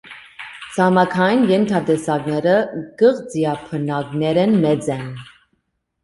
Ցամաքային ենթատեսակները կղզիաբնակներէն մեծ են։